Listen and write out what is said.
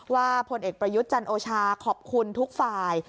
พลเอกประยุทธ์จันโอชาขอบคุณทุกฝ่าย